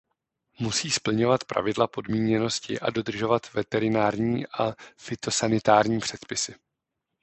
Musí splňovat pravidla podmíněnosti a dodržovat veterinární a fytosanitární předpisy.